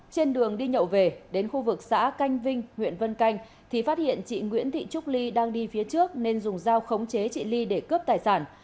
trên đường đi nhậu về đến khu vực xã canh vinh huyện vân canh thì phát hiện chị nguyễn thị trúc ly đang đi phía trước nên dùng dao khống chế chị ly để cướp tài sản